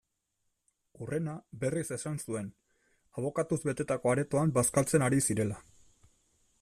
Hurrena, berriz esan zuen, abokatuz betetako aretoan bazkaltzen ari zirela.